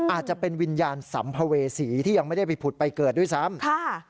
อาจจะเป็นวิญญาณสัมภเวษีที่ยังไม่ได้ไปผุดไปเกิดด้วยซ้ำ